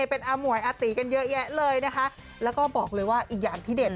เป็นอาหวยอาตีกันเยอะแยะเลยนะคะแล้วก็บอกเลยว่าอีกอย่างที่เด่น